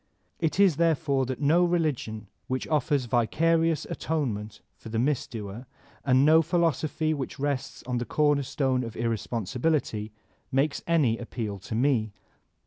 It is therefore that no religion which offers vicarious atonement for the misdoer, and no philosophy which rests on the cornerstone of irresponsibility, makes any appeal to me.